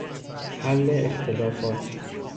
حل اختلافات